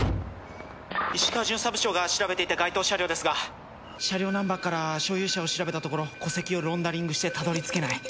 石川巡査部長が調べていた該当車両ですが車両ナンバーから所有者を調べたところ戸籍をロンダリングしてたどり着けない。